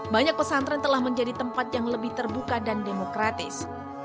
banyak pesantren telah menjadi tempat yang lebih terbuka dan demokratis